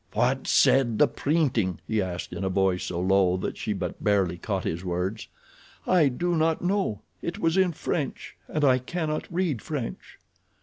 "What said the printing?" he asked in a voice so low that she but barely caught his words. "I do not know. It was in French and I cannot read French."